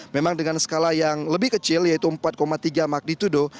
memang dengan skala yang lebih kecil yaitu empat tiga magnitudo